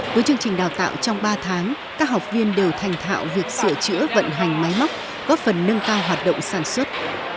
với chương trình đào tạo trong ba tháng các học viên đều thành thạo việc sửa chữa vận hành máy móc góp phần nâng cao hoạt động sản xuất